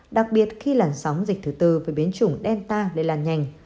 đặc biệt khi làn sóng dịch thứ tư với biến chủng delta lây lan nhanh